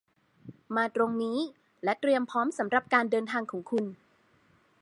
มาตรงนี้ และเตรียมพร้อมสำหรับการเดินของคุณ